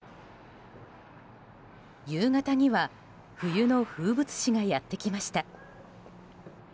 夕方には冬の風物詩がやってきました。